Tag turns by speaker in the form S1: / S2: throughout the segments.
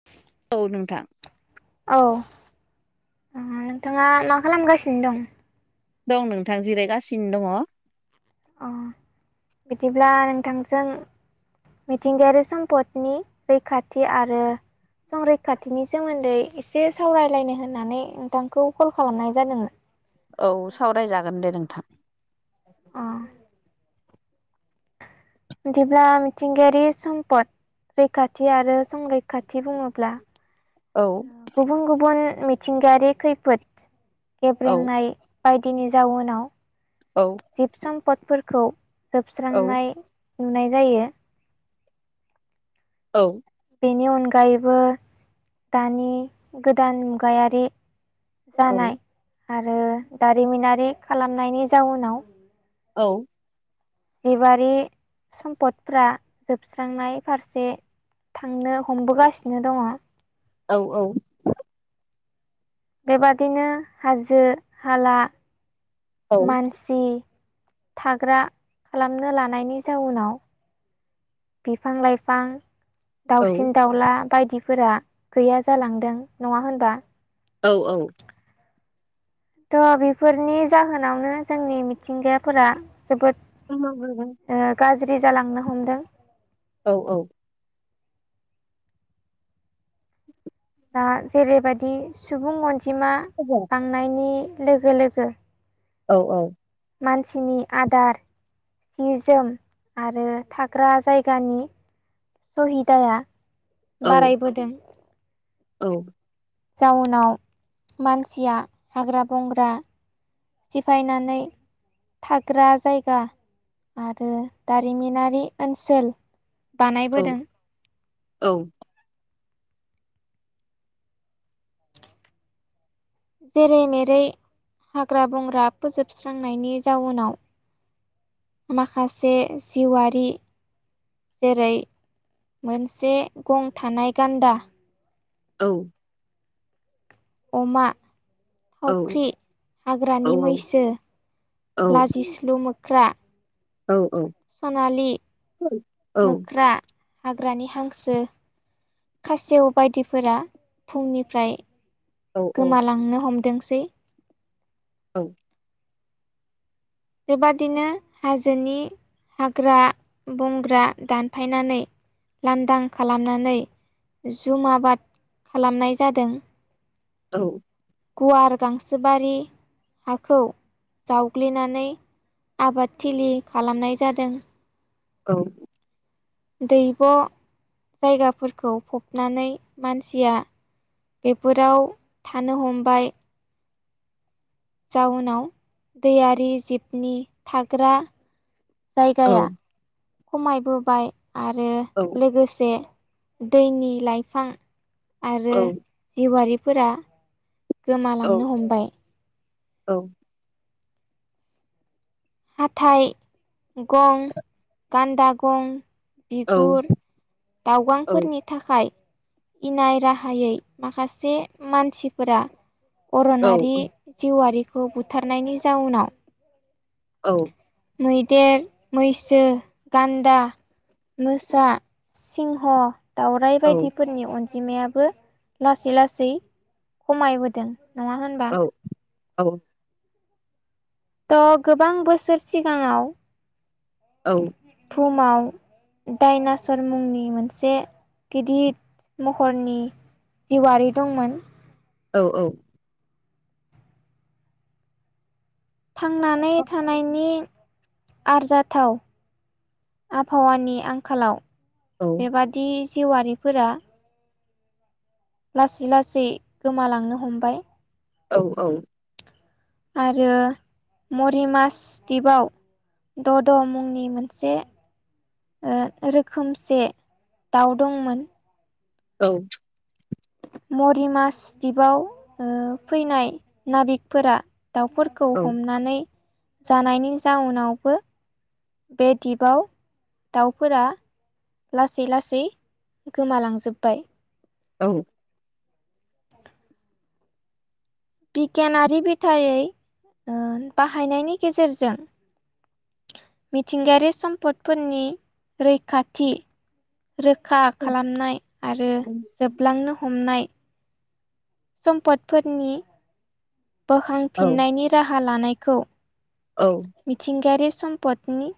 S1: [inaudible]
S2: औ नोंथां।
S1: औ नोंथाङा ओ मा खालामगासिनो दं?
S2: दं नोंथां जिरायगासिनो दङ।
S1: अ बिदिब्ला नोंथांजों मिथिंगायारि सम्पदनि रैखाथि आरो संरैखाथिनि सोमोन्दै एसे सावरायलायनो होननानै नोंथांखौ कल खालामनाय जादोंमोन
S2: औ सावरायजागोन दे नोंथां।
S1: अ'। बिदिब्ला मिथिंगायारि सम्पद रैखाथि आरो संरैखाथि बुङोब्ला
S2: औ
S1: ओ गुबुन गुबुन मिथिंगायारि खैफोद
S2: औ
S1: गेब्रेंनाय बायदिनि जाउनाव
S2: औ।
S1: जिब स'म्पदफोरखौ
S2: औ
S1: जोबस्रांनाय नुनाय जायो।
S2: औ।
S1: बेनि अनगायैबो दानि गोदान मुगायारि जानाय आरो दारिमिनारि खालामनायनि जाउनाव
S2: औ।
S1: जिबारि स'म्पदफ्रा जोबस्रांनाय फारसे थांनो हमबोगासिनो दङ।
S2: औ-औ।
S1: बेबादिनो हाजो-हाला
S2: औ
S1: मानसि थाग्रा खालामनो लानायनि जाउनाव बिफां लाइफां दाउसिन दाउला बायदिफोरा गैया जालांदों। नङा होनबा?
S2: औ-औ।
S1: थ' बेफोरनि जाहोनावनो जोंनि मिथिंगाफोरा जोबोद
S2: [unintelligible]
S1: ओ गाज्रि जालांनो हमदों।
S2: औ-औ।
S1: दा जेरैबादि सुबुं अनजिमा
S2: [unintelligible]
S1: बांनायनि लोगो लोगो
S2: औ-औ।
S1: मानसिनि आदार सि जोम आरो थाग्रा जायगानि सहिदाया बारायबोदों।
S2: औ।
S1: जाउनाव मानसिया हाग्रा बंग्रा सिफायनानै थाग्रा जायगा आरो दारिमिनारि ओनसोल बानायबोदों।
S2: औ।
S1: जेरै मेरै हाग्रा बंग्रा फोजोबस्रांनायनि जाउनाव माखासे जिवारि जेरै मोनसे गं थानाय गान्दा
S2: औ।
S1: अमा थावख्रि, हाग्रानि मैसो, लाजिस्लु मोख्रा
S2: औ औ
S1: सनालि मोख्रा, हाग्रानि हांसो, खासेव बायदिफोरा भुमनिफ्राय गोमालांनो हमदोंसै
S2: औ
S1: बेबादिनो हाजोनि हाग्रा बंग्रा दानफायनानै लांदां खालामनानै जुम आबाद खालामनाय जादों।
S2: औ।
S1: गुवार गांसोबारि हाखौ जावग्लिनानै आबादथिलि खालामनाय जादों।
S2: औ
S1: दैब' जायगाफोरखौ फबनानै मानसिया बेफोराव थानो हमबाय जाउनाव दैयारि जिबनि थाग्रा जायगाया खमायबोबाय आरो लोगोसे दैनि लाइफां आरो जिवारिफोरा गोमालांनो हमबाय।
S2: औ
S1: हाथाइ, गं, गान्दा गं बिगुर, दाउगांफोरनि थाखाय इनाय राहायै माखासे मानसिफोरा अरनारि जिउआरिखौ बुथारनायनि जाउनाव
S2: औ
S1: मैदेर, मैसो, गान्दा मोसा, सिंह, दावराइ बायदिफोरनि अन जिमायाबो लासै लासै खमायबोदों नङा होमबा?
S2: औ
S1: त' गोबां बोसोर सिगाङाव
S2: औ
S1: बुहुमाव दाइनासर मुंनि मोनसे गिदिद महरनि जिउवारि दंमोन
S2: औ औ
S1: थांनानै
S2: औ
S1: थानायनि आरजाथाव आबहावानि आंखालाव बेबा दि जिउवारिफोरा लासै लासै गोमालांनो हमबाय
S2: औ औ
S1: आरो मरि मास दिपाव द' द' मुंनि मोनसे ओ रोखोमसे दाउ दंमोन।
S2: औ
S1: मरिमास दिपाव ओ फैनाय नाबिकफोराद दावफोर खौ हमनानै जानायनि जाउनावबो बे दिपाव दाउफोरा लासै लासै गोमालांजोबबाय।
S2: [inaudible]
S1: बिगियानारि ओ बिथायनि गेज्रजों बाहायनायनि गेजेरजों मिथिंगायारि सम्पदफोरनि रैखाथि रोखा खालामनाय आरो जोबलांनो हमनाय सम्पदफोरनि बोखांफिन्नायनि राहा लानायखौ
S2: औ
S1: मिथिंगायारि सम्पदनि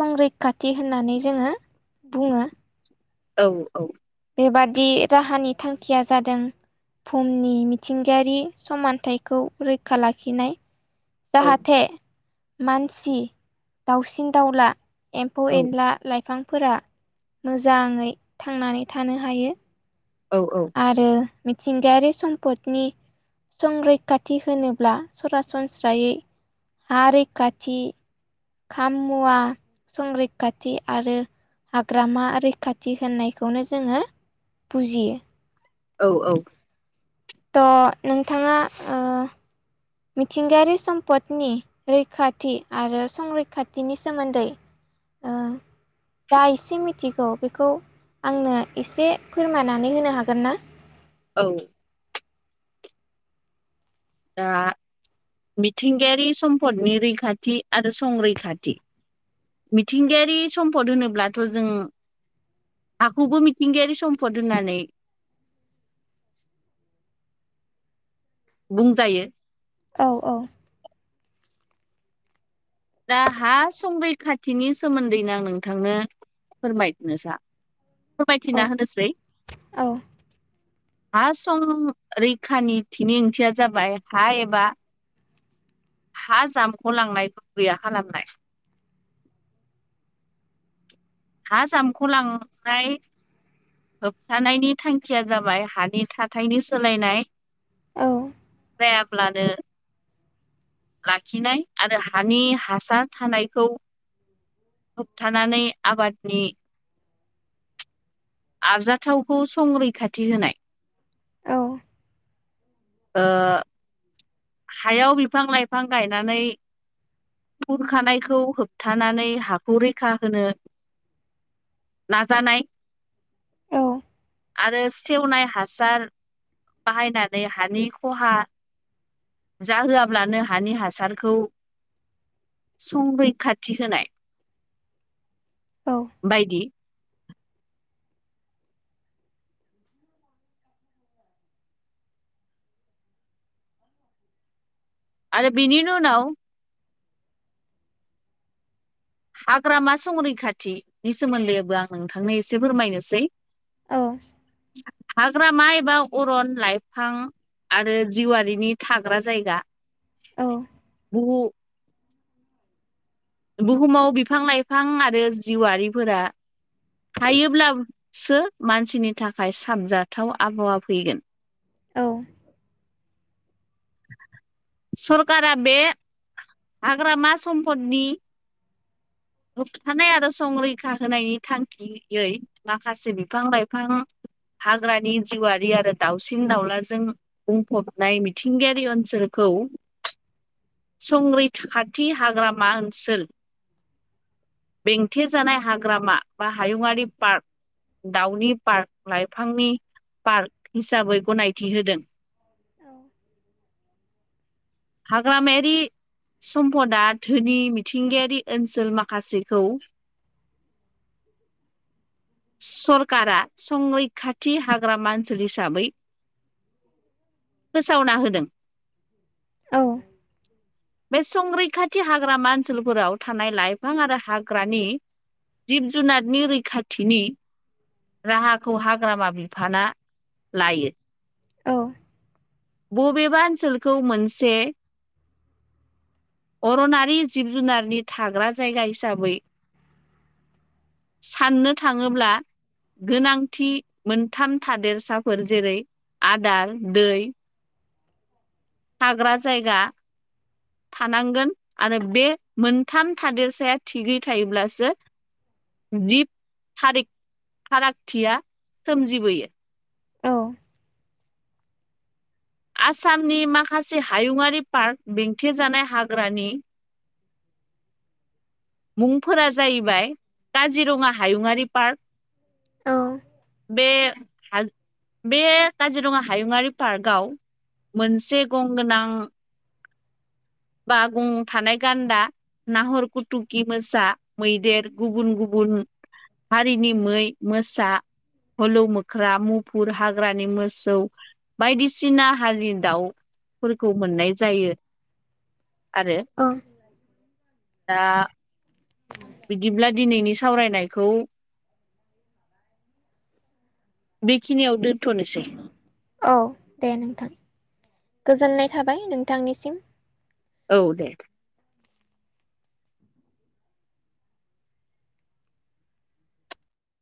S1: संरैखाथि होननानै जोङो बुङो
S2: औ औ
S1: बेबादि राहानि थांखिया जादों बुहुमनि मिथिंगायारि समानथाइखौ रैखा लाखिनाय जाहाथे मानसि दावसिन दाउला एम्फौ एनला लाइफांफोरा मोजाङै थांनानै थानो हायो।
S2: औ औ
S1: आरो मिथिंगायारि सम्पदनि संरैखाथि होनोब्ला सरासनस्रायै हा रैखाथि खाम मुवा संरैखाथि आरो हाग्रामा रैखाथि होननायखौनो जोङो बुजियो
S2: औ औ
S1: त' नोंथाङा मिथिंगायारि सम्पदनि रैखाथि आरो संरैखाथिनि सोमोन्दै ओ जा एसे मिथिगौ बेखौ आंनो एसे फोरमायनानै होनो हागोन ना
S2: औ दा मिथिंगायारि सम्पदनि रैखाथि आरो संरैखाथि मिथिंगायारि सम्पद होनोब्लाथ' जों हाखौबो मिथिंगायारि सम्फद होननानै बुंजायो
S1: औ औ
S2: दा हा संबैखाथिनि सोमोन्दैनो आं नोंथांनो फोरमायनो
S1: औ
S2: फोरमायथिना होनोसै
S1: औ
S2: हा सं रैखानि थिनि ओंथिया जाबाय हा एबा हा जामख' लांनायबो गैया खालामनाय हा जामख' लांनाय होबथानायनि थांखिया जाबाय हानि थाथायनि सोलायनाय
S1: औ
S2: जायाब्लानो लाखिनाय आरो हानि हासार थानायखौ होबथानानै आबादनि आरजाथावखौ संरैखाथि होनाय
S1: औ
S2: ओ हायाव बिफां लाइफां गायनानै खुरखानायखौ होबथानानै हाखौ रैखा होनो नाजानाय
S1: औ
S2: आरो सेवनाय हासार बाहायनानै हानि खहा जाहोआब्लानो हानि हासारखौ संरैखाथि होनाय
S1: औ
S2: बायदि आरो बिनि उनाव हाग्रामा संरैखाथिनि सोमोन्दैबो आं नोंथांनो एसे फोरमायनोसै
S1: औ
S2: [inaudible] हाग्रा मा एबा अरन लाइफां आरो जिवारिनि थाग्रा जायगा
S1: औ
S2: [unintelligible] बुहुमाव बिफां लाइफां आरो जिउआरिफोरा हायोब्लासो मानसिनि थाखाय साबजाथाव आबहावा फैगोन
S1: औ
S2: सरखारा बे हाग्रामा सम्पदनि होबथानाय आरो संरैखा होनायनि थांखियै माखासे बिफां लाइफां हाग्रानि जिउआारि आरो दाउसिन दाउलाजों बुंफबनाय मिथिंगायारि ओनसोलखौ संरै खाथि हाग्रामा ओनसोल बेंथे जानाय हाग्रामा बा हायुंङायारि पार्क दाउनि पार्क लाइफांनि पार्क हिसाबै गनायथि होदों
S1: औ
S2: हाग्रामाया बे सम्पदा धोनि मिथिंगायारि ओनसोल माखासेखौ सरकारा संरैखाथि हाग्रााम ओसोल हिसाबै फोसावना होदों
S1: औ
S2: बे संरैखाथि हाग्रामा ओनसोलफोराव थानाय लाइफां आरो हाग्रानि जिब जुनारनि रैखाथिनि राहाखौ हाग्रामा बिफाना लायो
S1: औ
S2: बबेबा ओनसोलखौ मोनसे अरनारि जिब जुनारनि थाग्रा जायगा हिसाबै साननो थांङोब्ला गोनांथि मोनथाम थादेरसाफोर जेरै आदार दै थाग्रा जायगा थानांगोन आरो बे मोनथाम थादेरसाया थिगै थायोब्लासो जिब थारि फारागथिया सोमजिबोयो आसामनि माखासे हायुंङायारि पार्क बेंथेेजानाय हाग्रानि मुंफोरा जाहैबाय काजिरंङा हायुङारि पार्क
S1: औ
S2: बे बे काजिरंङा हायुंङारि पार्कआव मोनसे गंगोनां बा गं थानाय गान्दा नाहर कुटुकि मोसा मैदेर गुबुन गुबुन हारिनि मै मोसा हलौ मोख्रा मुफुर हाग्रानि मोसौ बायदिसिना हारि दाउफोरखौ मोननाय जायो आरो
S1: औ
S2: दा बिदिब्ला दिनैनि सावरायनायखौ बेखिनियाव दोनथ'नोसै
S1: औ दे नोंथां गोजोननाय थाबाय नोंथांनिसिम
S2: औ दे